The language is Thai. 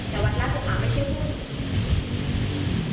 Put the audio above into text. แต่วัตรราชบัวข่าวไม่ใช่หุ้น